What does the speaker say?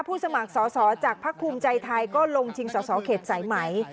สมัครสอสอจากภักดิ์ภูมิใจไทยก็ลงชิงสอสอเขตสายไหม